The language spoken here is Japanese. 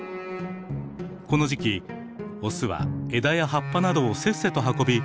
この時期オスは枝や葉っぱなどをせっせと運び